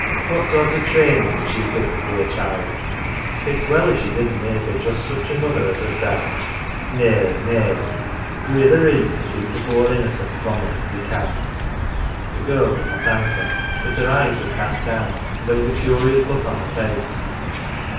What sort of trainin' would she give the poor child ? It's well if she didn't make her just 43 GAFFER'S CHILD such another as hersel\ Nay, nay, we're i 1 th 1 reet to keep the poor innocent from her if we can." The girl did not answer; her eyes were cast down, and there was a curious look on her face.